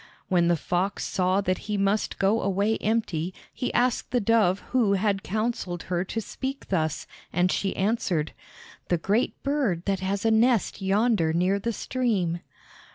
When the fox saw that he must go away empty he asked the dove who had counseled her to speak thus, and she answered: "The great bird that has a nest yonder near the stream."